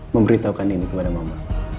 memberitahukan ini kepada mama